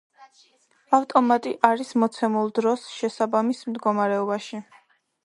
ავტომატი არის მოცემულ დროს შესაბამის მდგომარეობაში.